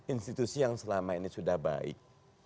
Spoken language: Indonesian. institusi yang selama ini sudah baik